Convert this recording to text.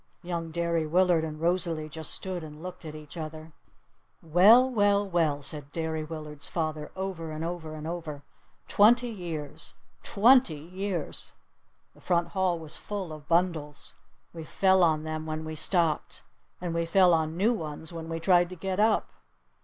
Young Derry Willard and Rosalee just stood and looked at each other. "Well well well!" said Derry Willard's father over and over and over. "Twenty years! Twenty years!" The front hall was full of bundles! We fell on them when we stepped. And we fell on new ones when we tried to get up.